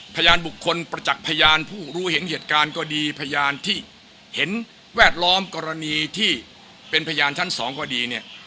พยานบุคคลประจักษ์พยานผู้รู้เห็นเหตุการณ์ก็ดีพยานที่เห็นแวดล้อมกรณีที่เป็นพยานชั้น๒ก็ดีเนี่ย